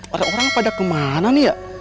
orang orang pada kemana nih ya